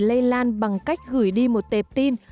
lây lan bằng cách gửi đi một tệp tin